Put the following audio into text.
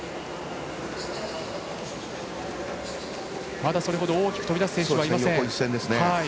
まだ、それほど大きく飛び出す選手いません。